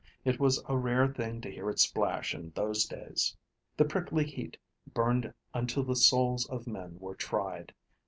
It was a rare thing to hear it splash in those days. The prickly heat burned until the souls of men were tried.